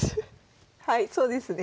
はいそうですね。